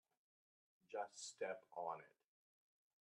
Just step on it.